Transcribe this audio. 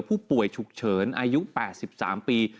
ผู้ป่วยฉุกเฉินอายุ๘๓ปี